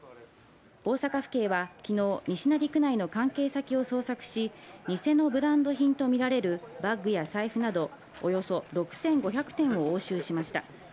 大阪府警は昨日、西成区内の関係先を捜索し、ニセのブランド品とみられるバッグや財布など、およそ６５００点を押収しました。